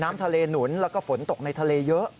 น้ำทะเลหนุนแล้วก็ฝนตกในทะเลเยอะ